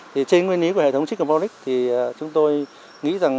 thì trên nguyên lý của hệ thống trích carbonic thì chúng tôi nghĩ rằng